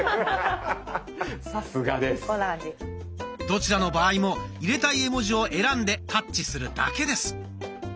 どちらの場合も入れたい絵文字を選んでタッチするだけです。